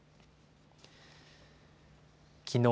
きのう